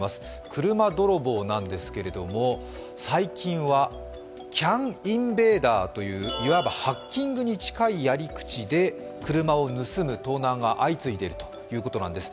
車泥棒なんですけれども、最近はＣＡＮインベーダーという、いわばハッキングに近いやり口で車を盗む盗難が相次いでいるということなんです。